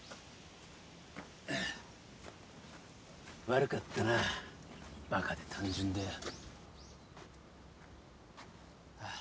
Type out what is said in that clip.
悪かったなバカで単純でよ。